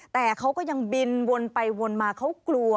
แต่เขาก็ยังบินวนไปวนมาเขากลัว